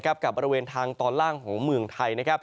กับบริเวณทางตอนล่างของเมืองไทย